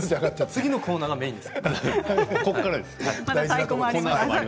次のコーナーがメインです。